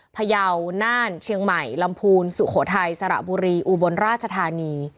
พยาวน่านเชียงใหม่ลำพูนสุโขทัยสระบุรีอุบลราชธานี